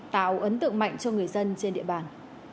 tạo ấn tượng mạnh cho người dân trên địa bàn